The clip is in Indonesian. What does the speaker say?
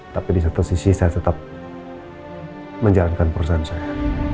tapi di satu sisi saya tetap menjalankan perusahaan saya